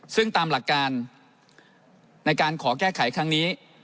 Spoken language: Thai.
ซึ่งตามหลักการในการขอแก้ไขครั้งนี้